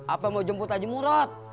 apa mau jemput aja murad